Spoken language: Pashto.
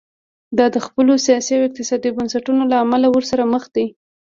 دا د خپلو سیاسي او اقتصادي بنسټونو له امله ورسره مخ دي.